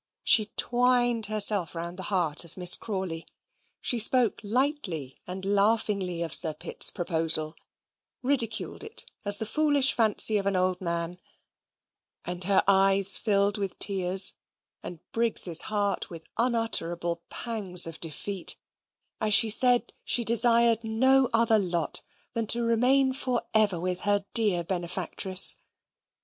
She twined herself round the heart of Miss Crawley. She spoke lightly and laughingly of Sir Pitt's proposal, ridiculed it as the foolish fancy of an old man; and her eyes filled with tears, and Briggs's heart with unutterable pangs of defeat, as she said she desired no other lot than to remain for ever with her dear benefactress.